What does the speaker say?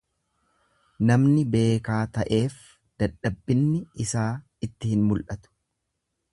Namni beekaa ta'eef dadhabbinni isaa itti hin mul'atu.